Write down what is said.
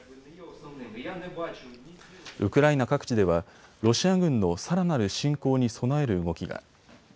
ウクライナ各地ではロシア軍のさらなる侵攻に備える動きが。